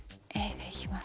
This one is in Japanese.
でいきます？